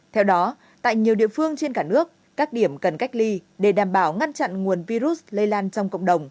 theo đó tại nhiều địa phương trên cả nước các điểm cần cách ly để đảm bảo ngăn chặn nguồn virus lây lan trong cộng đồng